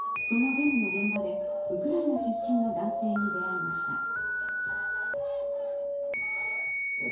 そのデモの現場でウクライナ出身の男性に出会いました。